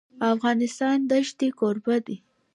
افغانستان د ښتې کوربه دی.